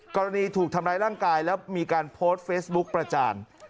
ถูกทำร้ายร่างกายแล้วมีการโพสต์เฟซบุ๊กประจาน